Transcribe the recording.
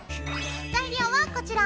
材料はこちら！